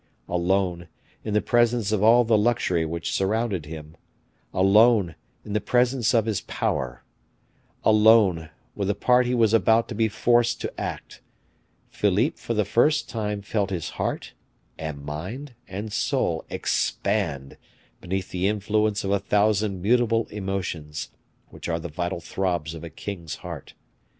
Alone, in the presence of all the luxury which surrounded him; alone, in the presence of his power; alone, with the part he was about to be forced to act, Philippe for the first time felt his heart, and mind, and soul expand beneath the influence of a thousand mutable emotions, which are the vital throbs of a king's heart.